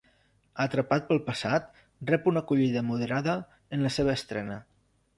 Atrapat pel passat rep una acollida moderada en la seva estrena.